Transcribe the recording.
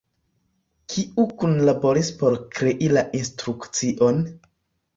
Kiu kunlaboris por krei la instrukcion?